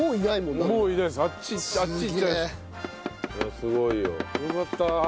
すごいよ。よかった。